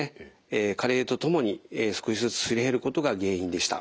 加齢とともに少しずつすり減ることが原因でした。